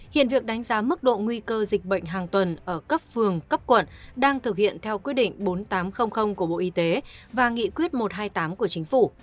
hiện việc đánh giá mức độ nguy cơ dịch bệnh hàng tuần ở cấp phường cấp quận đang thực hiện theo quyết định bốn nghìn tám trăm linh của bộ y tế và nghị quyết một trăm hai mươi tám của chính phủ